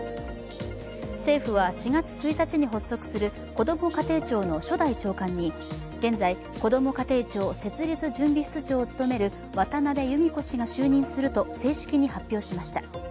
政府は４月１日に発足するこども家庭庁の初代長官に現在、こども家庭庁設立準備室長を務める渡辺由美子氏が就任すると正式に発表しました。